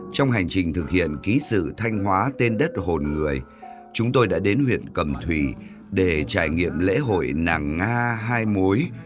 trong hành trình thực hiện ký sự thanh hóa tên đất hồn người chúng tôi đã đến huyện cầm thủy để trải nghiệm lễ hội nàng nga hai mối